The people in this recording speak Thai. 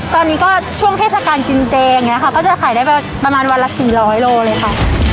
ตอนนี้ก็ช่วงเทศกาลกินเจอย่างนี้ค่ะก็จะขายได้ประมาณวันละ๔๐๐โลเลยค่ะ